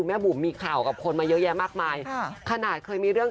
มันถือเวลาแล้วไหมที่แม่จะได้เกลียดตัวเอง